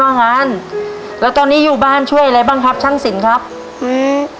งานแล้วตอนนี้อยู่บ้านช่วยอะไรบ้างครับช่างสินครับอืม